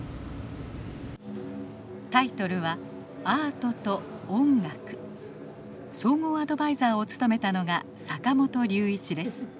タイトルは総合アドバイザーを務めたのが坂本龍一です。